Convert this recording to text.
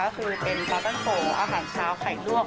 ก็คือเป็นปลาต้นโพอาหารเช้าไข่ลวก